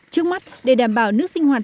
trước mắt để đảm bảo nước sinh hoạt